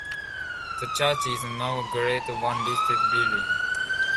The church is now a Grade One listed building.